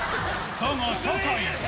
だが、酒井も。